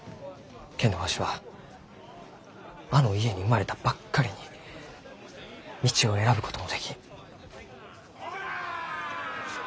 けんどわしはあの家に生まれたばっかりに道を選ぶこともできん。